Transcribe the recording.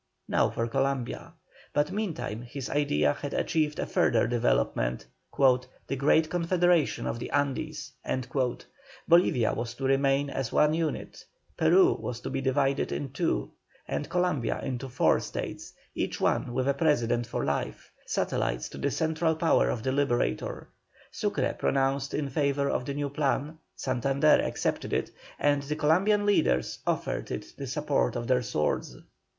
Now for Columbia. But meantime his idea had achieved a further development, "The Grand Confederation of the Andes." Bolivia was to remain as one unit, Peru was to be divided into two, and Columbia into four States, each one with a President for life, satellites to the central power of the Liberator. Sucre pronounced in favour of the new plan, Santander accepted it, and the Columbian leaders offered it the support of their swords.